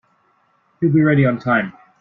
He'll be ready on time.